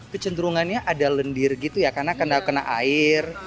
kecenderungannya ada lendir gitu ya karena kena air